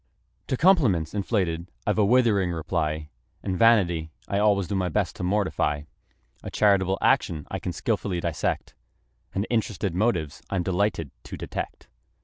To compliments inflated I've a withering reply; And vanity I always do my best to mortify; A charitable action I can skilfully dissect: And interested motives I'm delighted to detect.